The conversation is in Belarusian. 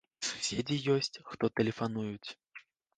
І суседзі ёсць, хто тэлефануюць.